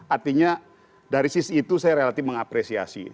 artinya dari sisi itu saya relatif mengapresiasi